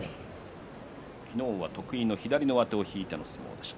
昨日は得意の左上手を引いての相撲でした。